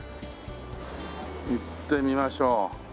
行ってみましょう。